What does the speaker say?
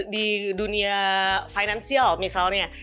di dunia finansial misalnya